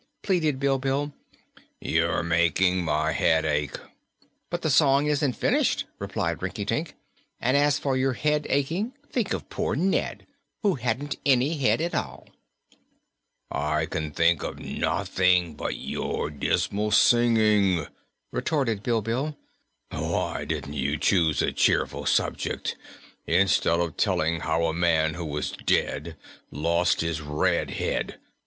pleaded Bilbil. "You're making my head ache." "But the song isn't finished," replied Rinkitink, "and as for your head aching, think of poor Ned, who hadn't any head at all!" "I can think of nothing but your dismal singing," retorted Bilbil. "Why didn't you choose a cheerful subject, instead of telling how a man who was dead lost his red head?